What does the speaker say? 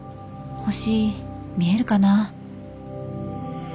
星見えるかな？